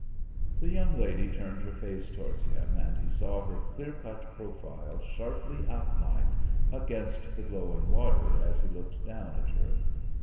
The young lady turned her face towards him, and he saw her clear cut profile sharply outlined against the glowing water as he looked down at her.